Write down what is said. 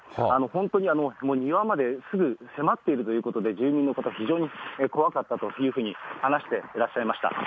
本当に庭まですぐ迫っているということで、住民の方、非常に怖かったというふうに話していらっしゃいました。